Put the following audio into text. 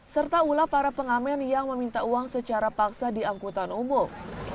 serta ulah para pengamen yang meminta uang secara paksa di angkutan umum